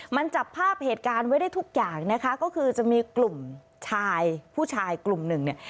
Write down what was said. มันจับภาพเหตุการณ์ไว้ได้ทุกอย่างนะคะก็คือจะมีกลุ่มชายผู้ชายกลุ่มหนึ่งเนี่ย